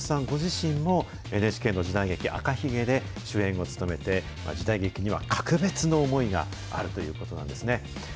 ご自身も、ＮＨＫの時代劇、赤ひげで主演を務めて、時代劇には格別の思いがあるということなんですね。